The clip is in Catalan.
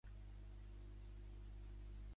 I al final la Roja va guanyar aquell Mundial.